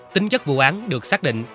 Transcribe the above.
tính chất vụ án được xác định